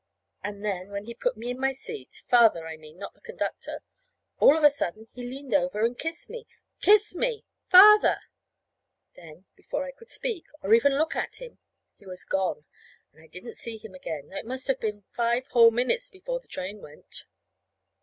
And then when he'd put me in my seat (Father, I mean; not the conductor), all of a sudden he leaned over and kissed me; kissed me Father! Then, before I could speak, or even look at him, he was gone; and I didn't see him again, though it must have been five whole minutes before that train went.